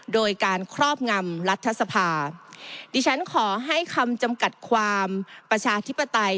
โดยการครอบงำรัฐสภาดิฉันขอให้คำจำกัดความประชาธิปไตย